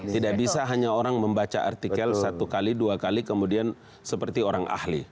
tidak bisa hanya orang membaca artikel satu kali dua kali kemudian seperti orang ahli